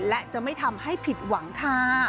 และจะไม่ทำให้ผิดหวังค่ะ